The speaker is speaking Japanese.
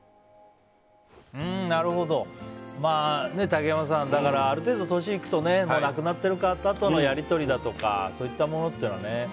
竹山さん、だからある程度年いくと亡くなっている方とのやり取りだとかそういったものってのはね。